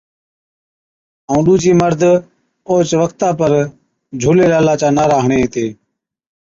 ائُون ڏُوجي مرد اوهچ وقتا پر ”جھُولي لالا“ چي نعري ھَڻي ھِتي